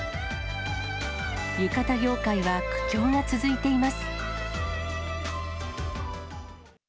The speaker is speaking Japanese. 浴衣業界は苦境が続いています。